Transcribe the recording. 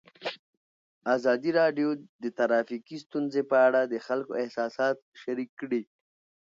ازادي راډیو د ټرافیکي ستونزې په اړه د خلکو احساسات شریک کړي.